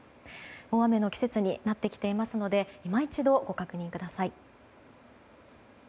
大雨の季節になってきていますのでいま一度、ご確認ください。